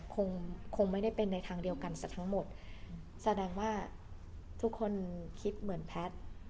คงคงไม่ได้เป็นในทางเดียวกันซะทั้งหมดแสดงว่าทุกคนคิดเหมือนแพทย์